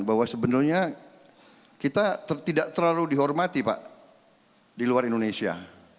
bahwa sebenarnya kita tidak terlalu dihormati pak di luar indonesia